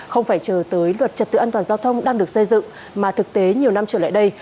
không phải chờ tới luật trật tự an toàn giao thông đang được xây dựng mà thực tế nhiều năm trở lại đây